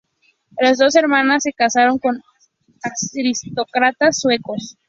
Las dos hermanas se casaron con aristócratas suecos.